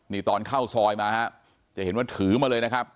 นี่ตอนเข้าซอยมาฮะจะเห็นว่าถือมาเลยนะครับ